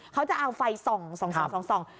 เขาจะเอาไฟส่องส่อง